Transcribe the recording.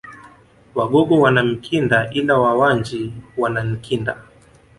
Wagogo wana Mkinda ila Wawanji wana Nkinda